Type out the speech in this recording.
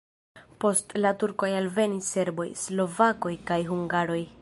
Post la turkoj alvenis serboj, slovakoj kaj hungaroj.